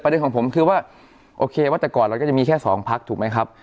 ของผมคือว่าโอเคว่าแต่ก่อนเราก็จะมีแค่สองพักถูกไหมครับ